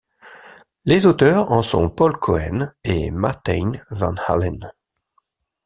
Les auteurs en sont Paul Cohen et Martijn van Haalen.